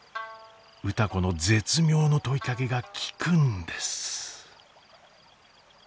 歌子の絶妙の問いかけが効くんです。